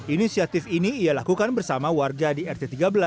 inisiatif ini ia lakukan bersama warga di rt tiga belas